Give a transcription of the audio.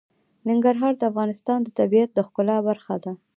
ننګرهار د افغانستان د طبیعت د ښکلا برخه ده.